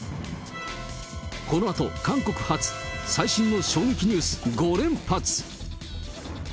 このあと韓国発最新の衝撃ニュース５連発。